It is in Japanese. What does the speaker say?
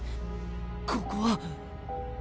ここは？